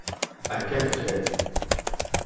En què té fe?